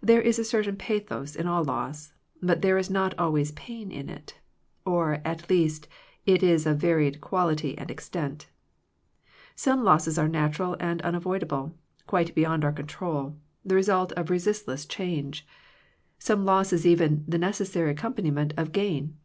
There is a certain pathos in all loss, but there is not always pain in it, or at least it is of varied quality and extent. Some losses are natural and unavoidable, quite beyond our control, the result of resistless 138 Digitized by VjOOQIC THE WRECK OF FRIENDSHIP change. Some loss is even the necessary accompaniment of gain.